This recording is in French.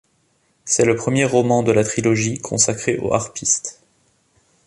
C'est le premier roman de la trilogie consacrée aux Harpistes.